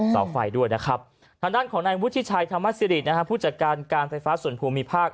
เสาไฟด้วยนะครับทางด้านของนายวุฒิชัยธรรมสิริผู้จัดการการไฟฟ้าส่วนภูมิภาค